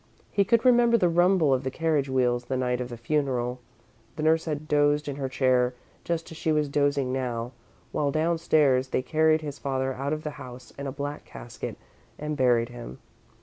He could remember the rumble of the carriage wheels the night of the funeral. The nurse had dozed in her chair just as she was dozing now, while downstairs they carried his father out of the house in a black casket and buried him.